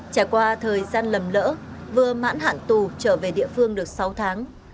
trải qua thời gian lầm lỡ vừa mãn hạn tù trở về địa phương được sáu tháng